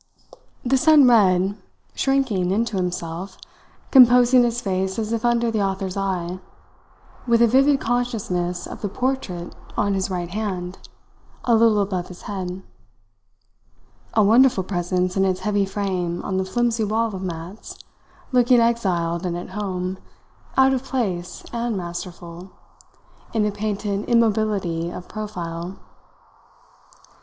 The son read, shrinking into himself, composing his face as if under the author's eye, with a vivid consciousness of the portrait on his right hand, a little above his head; a wonderful presence in its heavy frame on the flimsy wall of mats, looking exiled and at home, out of place and masterful, in the painted immobility of profile.